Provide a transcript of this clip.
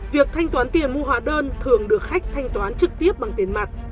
việc thanh toán tiền mua hóa đơn thường được khách thanh toán trực tiếp bằng tiền mặt